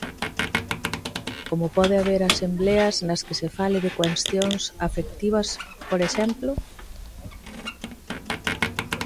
Como pode haber asembleas nas que se fale de cuestións afectivas, por exemplo?